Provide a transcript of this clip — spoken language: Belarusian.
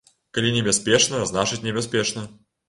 Калі небяспечна, значыць небяспечна.